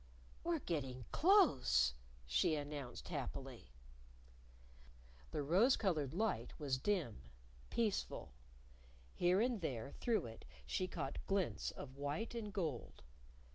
"We're getting close!" she announced happily. The rose colored light was dim, peaceful. Here and there through it she caught glints of white and gold.